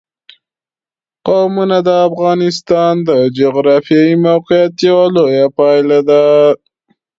قومونه د افغانستان د جغرافیایي موقیعت یوه لویه پایله ده.